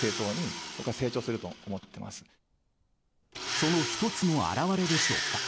その１つの表れでしょうか